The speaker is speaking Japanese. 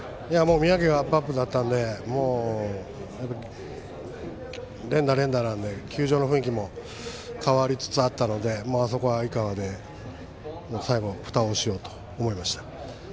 三宅がアップアップだったので連打、連打なので球場の雰囲気も変わりつつあったのであそこは井川で最後ふたをしようと思いました。